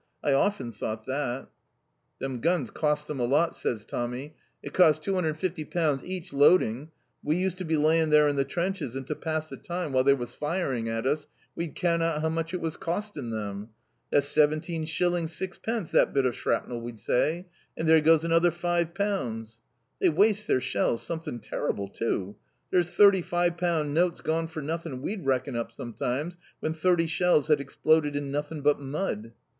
I often thought that." "Them guns cawst them a lot," says Tommy. "It cawst £250 each loading. We used to be laying there in the trenches and to pass the time while they was firing at us we'd count up how much it was cawsting them. That's 17s. 6d., that bit of shrapnel! we'd say. And there goes another £5! They waste their shells something terrible too. There's thirty five pound notes gone for nothing we'd reckon up sometimes when thirty shells had exploded in nothin' but mud!"